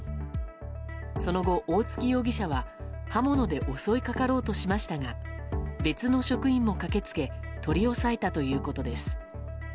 その後、大槻容疑者は刃物で襲いかかろうとしましたが別の職員も駆けつけ取り押さえたということです。